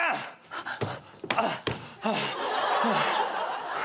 ハァハァ。